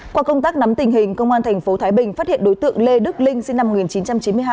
qua công tác nắm tình hình công an tp thái bình phát hiện đối tượng lê đức linh sinh năm một nghìn chín trăm chín mươi hai